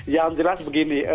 yang jelas begini